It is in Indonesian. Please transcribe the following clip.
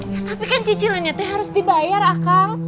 ya tapi kan cicilannya harus dibayar akang